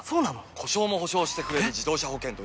故障も補償してくれる自動車保険といえば？